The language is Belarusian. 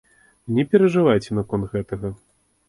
Не перажывайце наконт гэтага.